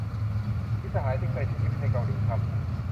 มิตรสหายที่เคยใช้ชีวิตในเกาหลีครับ